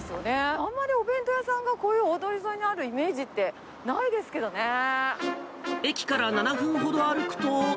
あんまりお弁当屋さんがこういう大通り沿いにあるイメージってな駅から７分ほど歩くと。